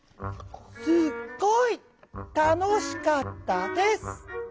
「すっごいたのしかったです」。